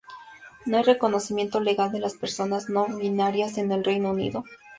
No hay reconocimiento legal de las personas no binarias en el Reino Unido.